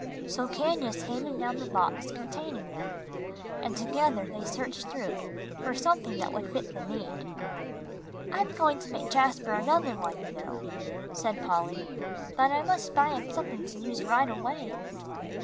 So Candace handed down the box containing them, and together they searched through it for something that would fit the need. "I'm going to make Jasper another one, you know," said Polly, "but I must buy him something to use right away."